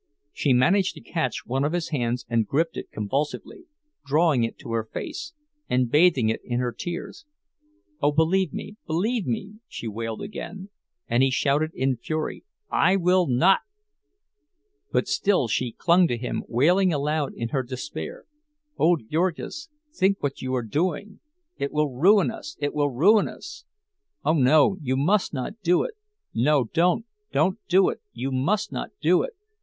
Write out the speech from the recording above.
She managed to catch one of his hands and gripped it convulsively, drawing it to her face, and bathing it in her tears. "Oh, believe me, believe me!" she wailed again; and he shouted in fury, "I will not!" But still she clung to him, wailing aloud in her despair: "Oh, Jurgis, think what you are doing! It will ruin us—it will ruin us! Oh, no, you must not do it! No, don't, don't do it. You must not do it!